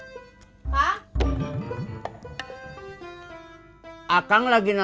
tapi es hidungannya akang lagi curhat